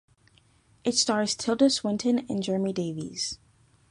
It stars Tilda Swinton and Jeremy Davies.